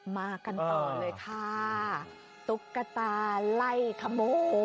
มากันต่อเลยค่ะตุ๊กตาไล่ขโมย